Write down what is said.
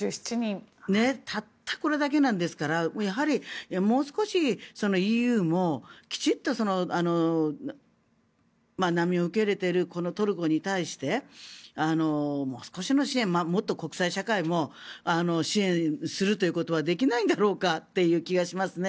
たったこれだけなんですからもう少しＥＵもきちんと、難民を受け入れているトルコに対してもっと国際社会も支援するということはできないんだろうかという気がしますね。